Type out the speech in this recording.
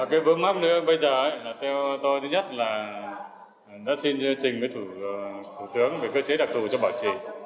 cái vướng mắt bây giờ là theo tôi thứ nhất là đã xin chương trình với thủ tướng về cơ chế đặc thù cho bảo trì